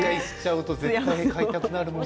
絶対に買いたくなるもの。